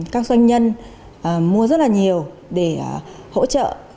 các doanh nhân mua rất là nhiều để hỗ trợ